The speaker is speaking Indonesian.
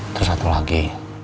terus satu lagi